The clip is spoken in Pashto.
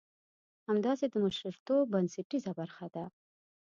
همداسې د مشرتوب بنسټيزه برخه ده.